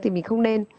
thì mình không nên